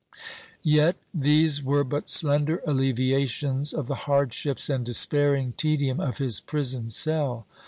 Yet these were but slender alleviations of the hardships and despairing tedium of his prison cell.